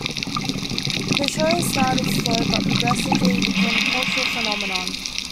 The show started slow, but progressively, it became a cultural phenomenon.